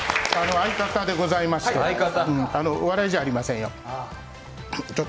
相方でございまして、お笑いじゃありませんよ